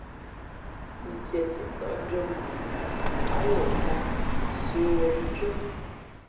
Nsiesi sαʼ ndʉ̄ᾱŋwαni ǎ lαtāl sə̌wen ndʉ́ά.